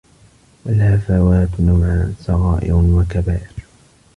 وَالْهَفَوَاتُ نَوْعَانِ صَغَائِرُ وَكَبَائِرُ